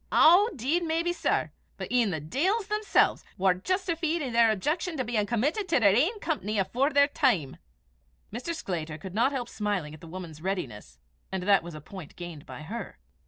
"Ow, 'deed maybe, sir! but e'en the deils themsel's war justifeed i' their objection to bein' committed to their ain company afore their time." Mr. Sclater could not help smiling at the woman's readiness, and that was a point gained by her.